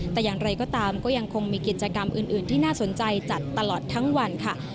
แต่อย่างไรก็ตามก็ยังคงมีกิจกรรมอื่นที่น่าสนใจจัดตลอดทั้งวันค่ะ